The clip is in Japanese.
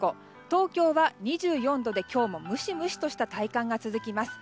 東京は２４度で今日もムシムシとした体感が続きます。